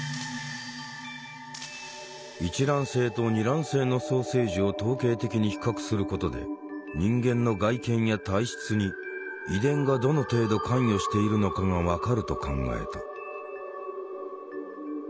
一卵性と二卵性の双生児を統計的に比較することで人間の外見や体質に遺伝がどの程度関与しているのかが分かると考えた。